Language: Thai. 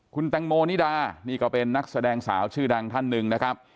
คุณแตงโมนิดานี่ก็เป็นนักแสดงสาวชื่อดังท่านหนึ่งนะครับ